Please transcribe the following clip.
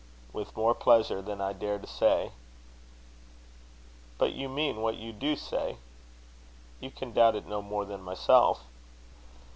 "With more pleasure than I dare to say." "But you mean what you do say?" "You can doubt it no more than myself."